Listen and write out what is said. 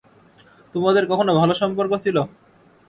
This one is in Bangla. তোমাদের কখনো ভালো সম্পর্ক ছিল?